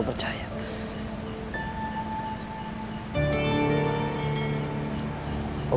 jadi saya pacar